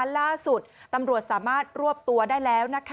ล่าสุดตำรวจสามารถรวบตัวได้แล้ว